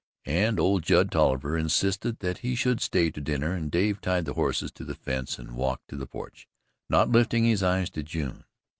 But old Judd Tolliver insisted that he should stay to dinner, and Dave tied the horses to the fence and walked to the porch, not lifting his eyes to June.